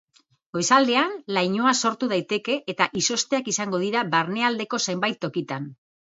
Goizaldean lainoa sortu daiteke eta izozteak izango dira barnealdeko zenbait tokitan.